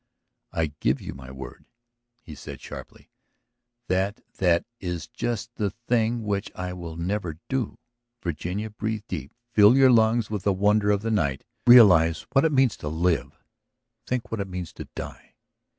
..." "I give you my word," he said sharply, "that that is just the thing which I will never do. Virginia, breathe deep, fill your lungs with the wonder of the night; realize what it means to live; think what it means to die!